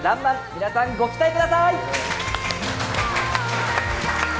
皆さんご期待ください！